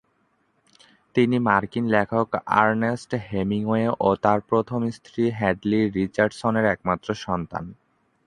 তিনি মার্কিন লেখক আর্নেস্ট হেমিংওয়ে ও তার প্রথম স্ত্রী হ্যাডলি রিচার্ডসনের একমাত্র সন্তান।